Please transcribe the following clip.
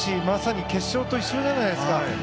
まさに結晶と一緒じゃないですか。